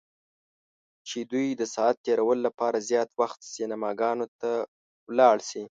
چې دوی د ساعت تیریو لپاره زیات وخت سینماګانو ته ولاړ شي.